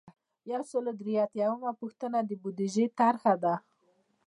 یو سل او درې اتیایمه پوښتنه د بودیجې طرحه ده.